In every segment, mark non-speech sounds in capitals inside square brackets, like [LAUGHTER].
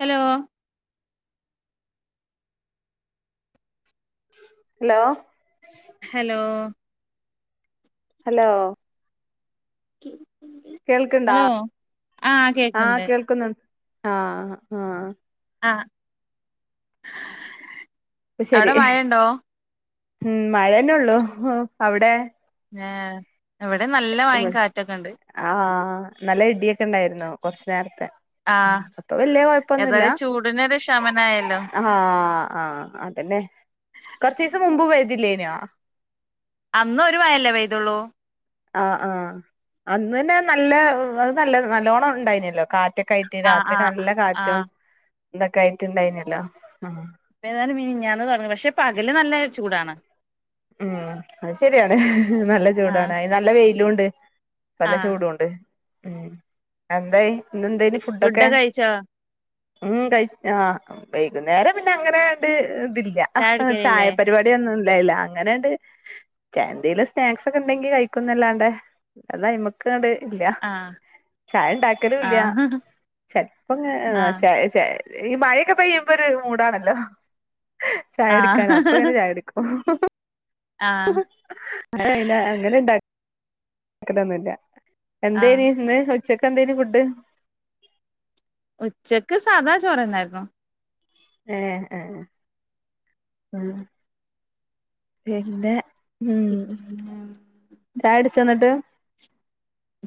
Hello hello hello hello [INAUDIBLE] കേൾക്ക്ണ്ടാ hello ആഹ് ആഹ് കേക്ക്ണ്ട് കേൾക്കുന്നു ആഹ് ആഹ് ആഹ് ഇപ്പൊ ശരി അവടെ മഴണ്ടോ ഉം മഴന്നെ ഉള്ളു അവിടെ ആഹ് ഇവിടെ നല്ല മഴേ ഇവിടെ കാറ്റൊക്കെ ഉണ്ട് ആഹ് നല്ല ഇടിയൊ ക്കെണ്ടായിരുന്നു കൊറച്ച് നേർത്തെ ആഹ് അപ്പൊ വലിയ കൊഴപ്പൊന്നുല്ല ഏതായാലും ചൂടിനൊരു ശമനായല്ലോ ആ ആ അതെന്നെ കൊർച്ചീസം മുമ്പ് പെയ്തില്ല്യേനോ അന്ന് ഒരു മഴല്ലെ പെയ്തോള്ളൂ ആഹ് ആഹ് അന്ന് തന്നെ നല്ല അത് നല്ല നല്ലോണ്ണം ഉണ്ടായിന്യെല്ലോ കാറ്റൊ ക്കയിറ്റ് ആഹ് രാത്രി ഒക്കെ ആഹ് നല്ല കാറ്റും ആഹ് ഇന്തൊക്കെ ആയിട്ട് ഇണ്ടായിർന്നല്ലോ ഏതായാലും മീനിഞാന്ന് തുട [UNINTELLIGIBLE] പക്ഷെ പകല് നല്ല ചൂടാണ് ഉം അത് ശരിയാണ് നല്ല ആഹ് ചൂടാണ് അയിന് നല്ല വെ യിലുണ്ട് നല്ല ആഹ് ചൂടു ഉണ്ട് ഉം എന്തായി ഇന്നെന്തേനി ഫുഡൊക്കെ ഉം കഴിച് ആ വൈകുന്നേരം പിന്നെ അങ്ങനെണ്ട് ഇതില്ല ചായ കുടിക്കലില്ലേ ചായപരിപാടി ഒന്നും ഹേയ്ല്ലാ അങ്ങനെണ്ട് ചെ എന്തേലും സ്നാക്സ് ഒക്കെ ഉണ്ടെങ്കി കഴിക്കുന്നല്ലാണ്ടെ അതയ്മക്കണ്ട് ഇല്ല ആഹ് ചായ ഇണ്ടാക്കലുല്ല്യാ ആഹ് ചെൽപ്പോ ങ്ങ ആഹ് ചായ ചായ ഈ മഴയൊക്കെ പെയ്യുമ്പൊ ഒരു മൂടാണല്ലോ ചായ ആഹ് എടുക്കാനാ അപ്പ ങ്ങനെ ചായ എടുക്കും ആഹ് [UNINTELLIGIBLE] അങ്ങനെണ്ടാക് [UNINTELLIGIBLE] ആഹ് എന്തേനീന്ന് [UNINTELLIGIBLE] ചക്ക് എന്തേഞ് ഫുഡ് ഉച്ചക്ക് സാദാ ചോറന്നായിരുന്നു ഏഹ് ഏഹ് [UNINTELLIGIBLE] പിന്നെ ഉം പിന്നെ ചായ ട്ച്ചൊ ന്നട്ട്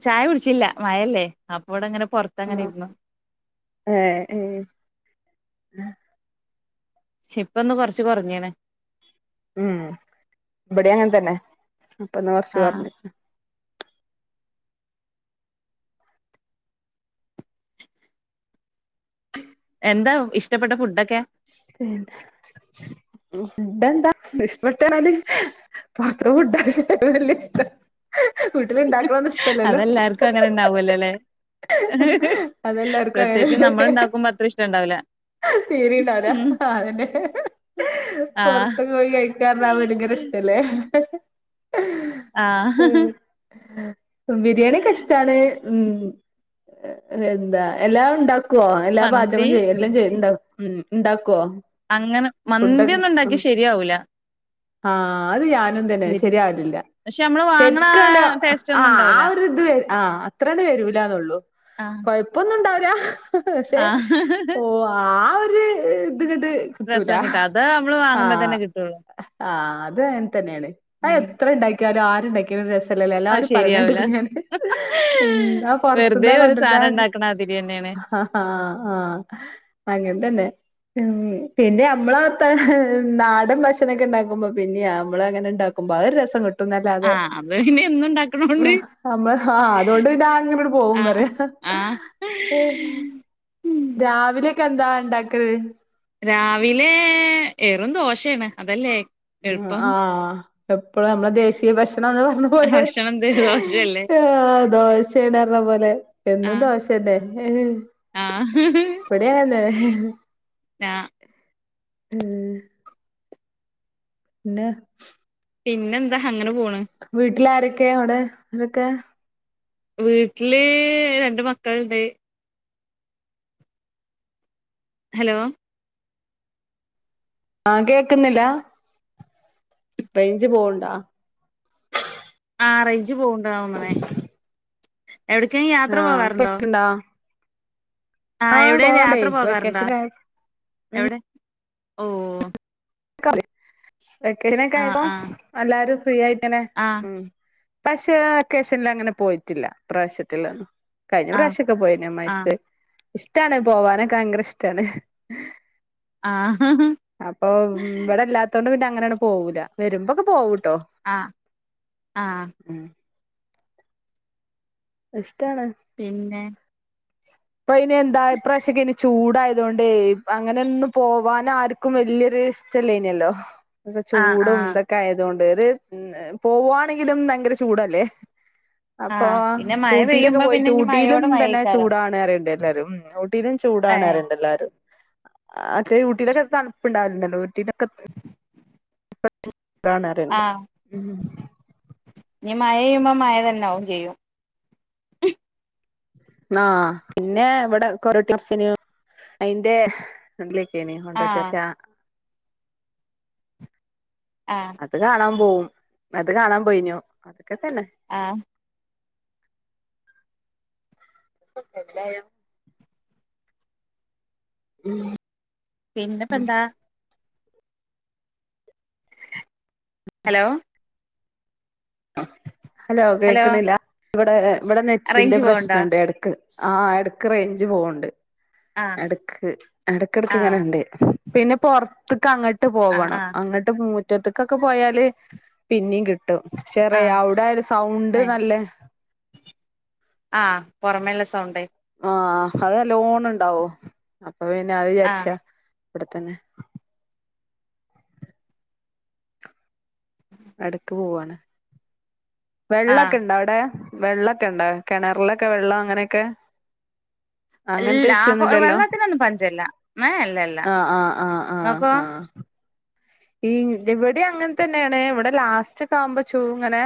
ചായ കുടിച്ചില്ല മഴല്ലേ അപ്പോടെ ങ്ങനെ ആഹ് എ ഏ [INAUDIBLE] ഇപ്പൊന്ന് കൊർച് കൊർഞ്ഞീണ് ഉം ഇബടീം അങ്ങെൻ തന്നെ അപ്പൊന്ന് ഒർച്ച് ആഹ് കൊർഞ്ണ് [INAUDIBLE] എന്താ ഇഷ്ടപ്പെട്ട ഫുഡൊക്കെ ഫുഡഡ ന്താ ഇഷ്ടപ്പെട്ടല് പാത്രം ഫുഡ വല്ല ഇഷ്ട അതെല്ലാർക്കു അങ്ങനെ ന്നാവല്ലോലെ അതെല്ലാർക്കും പ്രത്യേകിച്ച് നമ്മൾ അങ്ങനെല്ലേ ണ്ടാക്കുമ്പോ അത്ര ഇഷ്ടുണ്ടാവ് ല [UNINTELLIGIBLE] ആഹ് പൊർത്ത്ക്ക് പോയി കഴിക്കാർഞ ഭയങ്കര ഇഷ്ടല്ലേ ആഹ് ഉം ബിരിയാണിയക്കെ ഇഷ്ടാണ് ഉം എന്താ എല്ലാം ഉണ്ടാക് ഓ എല്ലാ മന്തി പാചകം ചെയ്യും എല്ലം ചെയ്യൽണ്ടാവു ഉം ണ്ടാക്കോ അങ്ങനെ മന്തിയൊന്നും ഉണ്ടാക്കി ശരിയാവൂല ആ അത് [UNINTELLIGIBLE] അതെന്തിന് ഇവര് ശരിയാവത്തില്ല പക്ഷെ നമ്മള് വാങ്ങണ ശെരിക്കൻട് ആഹ് ടേസ്റ്റ് ആ ഒന്നും ഉണ്ടാവൂല ആവൊരു ഇത് ആ അത്രാണ്ട് വരൂല്ലാന്നോളു ആഹ് കൊഴപ്പൊന്നുണ്ടാവ് ര ഹ് ക്ഷെ ആഹ് ഓ ആ ഏ അത് ങ്ങട്ട് കിട്ടൂല രസം കിട്ടാ അത് നമ്മള് ആ വാങ്ങുമ്പോ തന്നെ കിട്ടുള്ളൂ ആ അത് അങൻ തന്നെണ് ഉം എത്ര ഇണ്ടാക്കിയാലും ആ [UNINTELLIGIBLE] രസല്ലലെ അത് എല്ലാരും പറയണത് ശരിയാവൂല കേട്ടുക്കുണ് ഞാന്. ആ വെറുതെ പൊർത്തുന്ന് [INAUDIBLE] ഒരു ന്ന സാധനം ഉണ്ടാക്കണ മാതിരി തന്നെയാണ് ഹ ഹ ഹാ ആ അങ്ങനെ തന്നെ ഉം പിന്നെ നമ്മളെ വർത്താ നാടൻ ഭക്ഷണൊക്കെ ഉണ്ടാക്കുമ്പോ പിന്നെ നമ്മളങ്ങനെ ഉണ്ടാക്കുമ്പോ ആ ഒരു രസം കിട്ടും ട്ടും ന്നല്ലാതെ ആഹ് അത് പിന്നെ എന്നും ഉണ്ടാക്കണോണ്ട് നമ്മള് ഹാ അതുകൊണ്ട് പിന്നെ അങ്ങട് ആഹ് പോകുംവരെ ആഹ് ഉം രാവിലെക്കെ എന്താ ഇണ്ടാക്കല് രാവിലെ ഏറും ദോശയാണ് അതല്ലേ എളുപ്പം ആഹ് എപ്പഴ നമ്മള ദേശീയ ഭക്ഷണാന്ന് പറഞ്ഞ പോലെ ഭക്ഷണം എന്ത് ദോശയല്ലേ ആഹ് ദോശ പറഞ്ഞ പോലെ എന്നും ആഹ് ദോശന്നേ. എഹ് ഹ്. ആഹ് ഇവിടെ. [UNINTELLIGIBLE] ആ ഉം. ന്ന്. പിന്നെ എന്താ ഹങ്ങന വീട്ടിൽ ആരൊ ക്കെയ അവിടെ ആരൊക്കെ വീട്ടില് രണ്ട് മക്കളിണ്ട്. ഹലോ. ആ കേക്ക്‌ന്നില്ല റേയിഞ്ച് പോവുണ്ടാ. ആ റെയിഞ്ച് പോവണ്ട് ന്ന തോന്നണേ. എവിടറ്റെങ്കും യാത്ര ആഹ് ഇപ്പ പോവാറുണ്ടോ. കേക്ക്ണ്ടോ ആഹ് എവിടെലും പോവ്ണ്ടേ യാത്ര പോകാറുണ്ടോ വെക്കേഷൻ ആയ എവിടെ. ഓ [INAUDIBLE] [INAUDIBLE] നൊക്കെ ആഹ് ആയപ്പോ ആഹ് എല്ലാരും. ഫ്രീ ആയി നെ ആഹ് ഉം. പക്ഷെ വെക്കേഷൻലങ്ങനെ പോയിട്ടില്ല. ഇപ്രാവശ്യത്തില്ല് കഴിഞ്ഞ ആഹ് പ്രാവശ്യൊക്കെ പോയിന് ആഹ് മയസ്സ് ഇഷ്ടാണ് പോവാനൊക്കെ ഭയങ്കര ഇഷ്ടാണ്. ആഹ് അപ്പൊ ഇവടെ ഇല്ലാത്തോണ്ട് പിന്നെ അങ്ങനാണ്ട് പോവൂല വരുമ്പൊക്ക പോവു അഹ്ആഹ് ഉം എഷ് പിന്നെ അപ്പ ഇനി എന്താ ഇപ്രാശ്യൊക്കേനി ചൂട തോണ്ടെ അങ്ങനെ ഒന്നും പോവാന ർക്കും വല്ല്യരു ഇഷ്ടല്ലേന്യല്ലോ. തൊക്കെ ആഹ് ചൂടും ആഹ് ഇതൊക്കെ ആയത്കൊണ്ട് [UNINTELLIGIBLE] പോവാണെങ്കിലും ഭയങ്കര ചൂടല്ലേ. അപ്പൊ ആഹ് പിന്നെ മഴ ഊട്ടിയിലൊക്കെ പെയ്യുമ്പോ പോയിട്ട് പിന്നെ ഇനി ഊട്ടിയിലും മഴയോട് തന്നെ മഴയ്ക്കാരം ചൂടാണ് എല്ലല്ലാരും ഒഹ് പെരും ചൂടാണ് ഏഹ് പറ്ണ്ട് എല്ലാരും. അത്തെ ഊട്ടിലൊക്കെ തൺപ്ണ്ടാവൽണ്ടല്ലോ ഊട്ടീട്ടെക്കെ പ കാണാറുണ്ട് ഉം നീ മഴയ്യുമ്പോ മഴ തന്നാവും ചെയ്യും ആ പിന്നെ ഇവടെ കൊരോട്ടി മെർചേഞ്ഞി അയിന്റെ എല്ലേ ക്കേഞ്ഞി ആഹ് കൊണ്ടോട്ടേർച്ച ആഹ് അത് കാണാൻ പോഉം അത് കാണാൻ പോയിഞ്ഞോ അത് ക്കെത്തെന്നെ ആഹ് പ [UNINTELLIGIBLE] ഉം പിന്നെപ്പെ എന്താ ഹലോ ഹലോ കേക്ണില്ല ഇവിടെ ഏ ഇവടെ നെറ്റിന്റെ റേഞ്ച് പോവ്ണ്ടോ പ്രശ്നംണ്ട് എടക്ക് ആഹ് എട്ക് റേഞ്ച് പോവ്ണ്ട് ആഹ് എടക്ക് എടക്കെടക്ക് ആഹ് ഇങ്ങനെണ്ട് പിന്നെ പൊർത്ത്ക്ക് അങ്ങട്ട് ആഹ് പോവണം ആഹ് അങ്ങട്ട് മൂ മുറ്റത്തക്കൊക്കെ പോയാല് പിന്നേം കിട്ടും. ചെറിയ ആഹ് അവിടെ ഒരു സൗണ്ട് മേ നല്ല പുറമേല്ല സൗണ്ട് ആഹ് അത് ലോണ് ഇണ്ടാവോ. [UNINTELLIGIBLE] വിചാരിച്ചാ ആഹ് അവിടെത്തന്നെ എടക്ക് പോവാണ്. ആഹ് വെള്ളൊക്കെ ഇണ്ടോ അവിടെ? വെള്ളോക്കെ ഇണ്ടാ കെണറിലൊക്കെ വെള്ളം അങ്ങനൊക്കെ. അല് ആ ഫ് വെള്ളത്തിനൊന്നും പഞ്ചല്ല, മേ അല്ലല്ല ആഹ് ആഹ് ആഹ് ആഹ് ങ്ങക്കോ? ആഹ് ഈ ഇവിടെ അങ്ങൻ തന്നെ ആണ്, ഇവടെ ലാസ്റ്റ് ഒക്കെ ആകുമ്പോ ചൂ ങ്ങനെ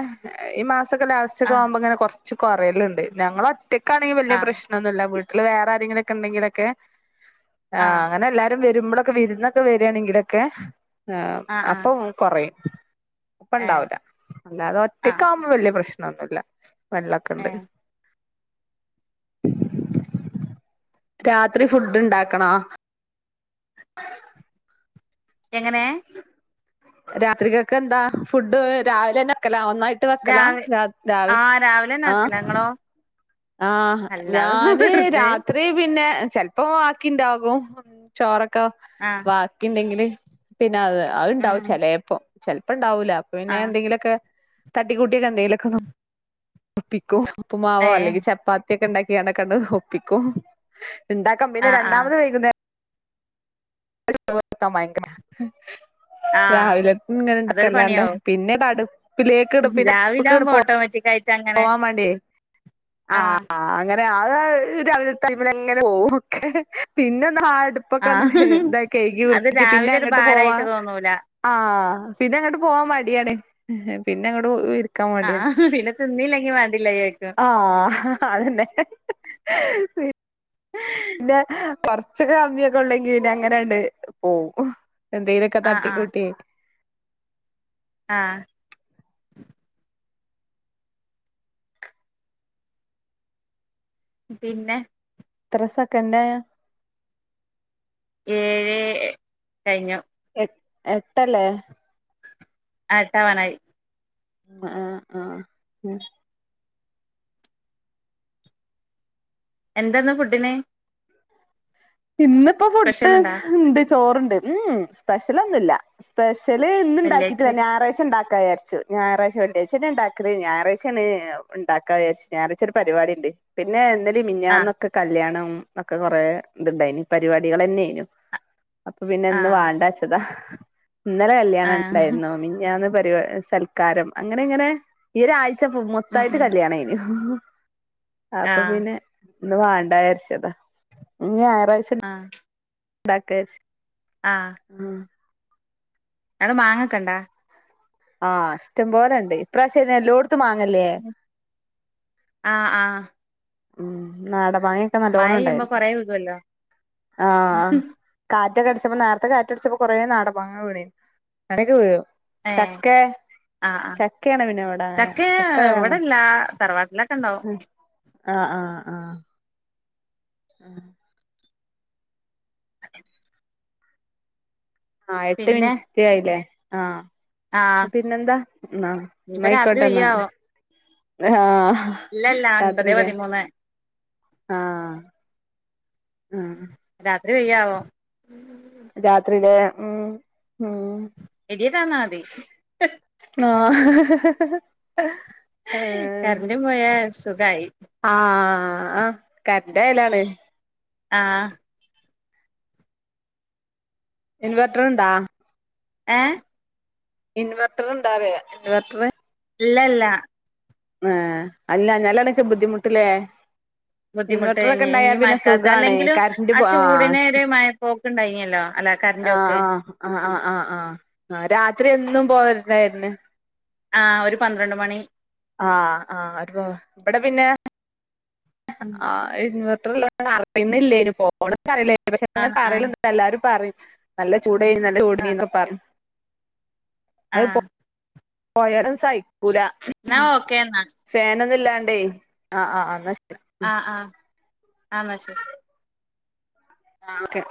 ഈ മാസ് [UNINTELLIGIBLE] ലാസ്റ്റ്ക്കെ ആഹ് ആകുമ്പോ ഇങ്ങന കൊർ ച്ച് കൊറയല്ണ്ട് ഞങ്ങള റ്റക്കാണെങ്കിൽ വല്ല്യ ആഹ് പ്രശ്ണോന്നല്ല വ് ട്ട്ല് വേറാരങ്കിലൊക്കെ ഇണ്ടങ്കിലൊക്കെ ആ ആഹ് അങ്ങനെ എല്ലാരും വര് രുമ്പളോക്കെ വിരുന്നൊക്ക വരാണ്ങ്കിലൊക്കെ ആ ആഹ് ആഹ് അപ്പം കൊറയും. ഏഹ് പ്പണ്ടാവൂല്ല അല്ലാത ആഹ് ഒറ്റക്കാവുമ്പോ വല്ല്യ പ്രശ്- നോന്നൂല്ല വെള്ളക്കെണ്ട് ഏഹ് രാത്രി ഫുഡ് ണ്ടാകണോ എങ്ങനെ രാത്രിക്കാക്കെന്താ ഫുഡ് രാവിലെ ന്നെ ക്കെല- രാവ് ആ രാവിലെന്നാക്കല ആ ങ്ങളോ? ആഹ് ഞാന് രാത്രി പി - ന്നെ ചെൽപ്പോ ബാക്കിണ്ടാകും ചോറ- ക്ക ആഹ് ബാക്കിണ്ടെങ്കില് ന അതെ ഉം അഉണ്ടാവും ചേലെപ്പ ചൽപ്പം - ണ്ടാവൂല അ പ്പപിന്നെ ആഹ് എന്തെങ്കിലോ ക്കെ തട്ടി കുട് - ട്ടിലന്തെലൊക്കനോ ഒപ്പിക്കും ഉപ്പ്മാവോ ഏഹ് അല്ലെങ്കി മത്തിയൊക്കെണ്ടാക്കി [UNINTELLIGIBLE] ഒപ്പിക്കും ണ്ടാക്കാം പിന്നെ ആഹ് ആഹ് രണ്ടാമത് വൈകുന്നെ ച [INAUDIBLE] ഭയങ്കരാ ആഹ് രാവില ങ്ങനെ അതൊരു നക്കണ്ടല്ലാണ്ടേ പണിയാവും പിന്നെ ആടുപ്പിലേക്ക് ട് രാവിലെ പിന്നെപ്പങ്ങ്ട് ആവുമ്പോ പ്പോ ഓട്ടോമാറ്റിക് ആയിട്ട് അങ്ങനെ പോവാൻ വേണ്ടിയേ ആ ആഹ് ആ അങ്ങ അത് ഇ രാവിലത്ത ഐമിലങ്ങനെ പോവും ഒക്കെ പിന്നെ ഒന്ന് ഹാ ആഹ് ഉപ്പൊക്കന്ന് ന്താ കയ്കി അത് വിർത്തിക് പിന്നെ രാവിലെ ഒരു ങ്ങട്ട് പോവാ ഭാരായിട്ട് തോന്നൂല ആ പിന്നെ അങ്ങട്ട് പോവാ മടിയാണ് പിന്നെ അങ്ങ്ട് ഹവ ആഹ് പിന്നെ തിന്നില്ലങ്കി [UNINTELLIGIBLE] ആ ഹാ അതന്നെ പി പിന്നെ കൊറച്ചൊക്കെ കമ്മിയൊക്കെണ്ടെങ്കി പിന്നെ അങ്ങനാണ്ട് പോവും എന്തയിലൊക്കെ ആഹ് തട്ടിക്കൂട്ടിയെ ആ പിന്നെ ത്ത്രസൊക്കെണ്ട് ഏഴ് കഴിഞ്ഞു. എട്ടല്ലേ? ആ എട്ടാവാനായി. ആഹ് ആഹ് ഉം എന്താന്ന് ഫുഡിന്? ഇന്നിപ്പോ ഫുഡ് സ്പെഷ്യൽ ഉണ്ടോ ഇണ്ട് ചോറുണ്ട് ഉം സ്പെഷ്യലൊന്നും ഇല്ല സ്പെ ഷല് ഇന്ന് ഉണ്ടാക്കിട്ടില്ല വെള്ളിയാഴ്ച ഞായാഴ്ച ഉണ്ടാക ക്കാ വിചാരിച്ചു ഞാറാച്ച വെള്ളിയാച്ച ഇണ്ടാക്കല് ഞായറാഴ്ചണ് ഇണ്ടാക്കാ വിചാരിച്ചു ഞായറാഴ്ച ഒരു പരിപാടി ഇണ്ട് പിന്നെ എ ആഹ് മിഞ്ഞാന്നൊക്കെ കല്യാണം പ്പക്ക കൊറെ ഇതുണ്ടായിന് പരിപാടികളെന്നെനു. അപ്പൊ പിന്നെ എന്ന് ആഹ് വേണ്ടാച്ചതാ. ഇന്നലെ കല്യാണം ആഹ് ഉണ്ടായിരുന്നോ മിഞ്ഞാന്ന് പരി സൽക്കാരം അങ്ങനെ ഇങ്ങനെ ഈഒരായി ച്ച ഉം മൊത്തായിട്ട് ഉം കല്യാണം ആണെനു. അപ്പൊ ആഹ് പിന്നെ ഒന്ന് വാണ്ടച്ചാരിച്ചതാ. ഇങ്ങ് ആഹ് ണ്ടാക്കച് ആഹ് ഉം അവിടെ മാങ്ങയൊക്കെയുണ്ടോ. ആഹ് ഇഷ്ടം പോലെ ഇണ്ട്, ഈ പ്രാവശ്യം എല്ലായിടത്തും. ആ ആ ഉം നാട മാങ്ങക്കെ നല്ലോണം പെയ്യുമ്പോ ഇണ്ടായിരുന്നു കൊറേ വികുവല്ലോ ആ കാ റ്റടിച്ചപ്പോ നേരത്തെ കാറ്റടിച്ചപ്പോ കൊറേ നാടമാങ്ങ വീണീനി ക്ക വീഴും ഏഹ് ചക്കെ ആഹ് ആഹ് ചക്കയാണ് പിന്നെവിടാ അങ്ങനെ ചക്ക ചക്കവ്ടെ അങ്ങനേ ഇവിടെല്ല തറവാട്ടിലൊക്കെ ഉണ്ടാവും ഉം ആ ആ ആ ഉം ആ എട്ട് പിന്നെ മിനിറ്റ് ആയില്ലേ ആ ആഹ് പിന്നെന്താ ന്നാ ഇനിയിപ്പ രാത്രി ന്നായ്ക്കോട്ടന്നാ പെയ്യാവോ ആ ഇല്ലല്ല ഒൻപതേ രാത്രിലേ പതിമൂന്ന് ആ ഉം ര് പെയ്യാവോ രാത്രിയിലെ ഉം ഇടിട്ടാന്നാതി ആ ഹ് ഹ് ഹ് കരണ്ടും പോയാ സ് സുഖായി ആ ആ അ കറന്റെയലാണ് ആ ഇൻവെട്ടറ്ണ്ടാ ഏ ഇൻവെട്ടറ്ണ്ടാറിയ ഇൻവെർട്ടറ് ഇല്ലല്ല ഏ അല്ലാഞ്ഞാലാണെക്കെ ബുദ്ധിമുട്ട്ലേ ബുദ്ധിമുട്ട് ഇൻവെർട്ടറൊക്കെ ണ്ടായാ ഈ പിന്നെ മഴക്കാലത്ത് സുഖാണേ അല്ലെങ്കിലും കറന്റ് പോ ആ ചൂടിന് ഒരു മഴപ്പോക്ക് ഉണ്ടായിനല്ലോ അല്ല കറന്റ് ആ പോക്ക് ആ ആ ആ ആ ആ ആ രാത്രി എന്നും പോവല്ണ്ടാര്ന്ന് ആ ഒരു പന്ത്രണ്ട് മണി ആ ആ ഒരു പ ഇബടെ പിന്നെ ആ ഇൻവെർ ട്ടറല്ലോണ്ട് അറിണ്ല്ലേന് പോണ പറയില്ലേ പക്ഷെ അങ്ങനെ ആഹ് ആഹ് പറയലുണ്ട് എല്ലാരും പറിം നല്ല ചൂ ണ്ടേയ് നല്ല ചൂട് ണ്ടേനിന്നൊ പറിം ആ കോയരൻ സൈ ഒക്കൂല ഓക്കേ എന്നാ ഫാൻ അതിൽ ഇല്ലാണ്ടേ, ആ, ആ ആഹ ആഹ് ആന്നാ ശരി ആ ഓക്കെ